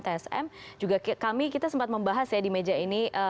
tsm juga kami kita sempat membahas ya di meja ini